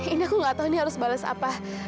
ini aku gak tau ini harus bales apa